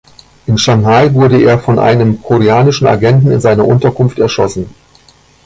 In Shanghai wurde er von einem koreanischen Agenten in seiner Unterkunft erschossen.